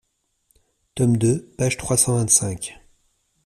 Tome deux, page trois cent vingt-cinq.